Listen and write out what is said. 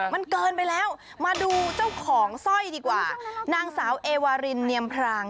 มันเกินไปแล้วมาดูเจ้าของสร้อยดีกว่านางสาวเอวารินเนียมพราง